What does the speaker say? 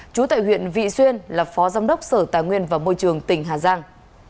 chú tại huyện vị xuyên là phó giám đốc sở tài nguyên và môi trường tỉnh hà giang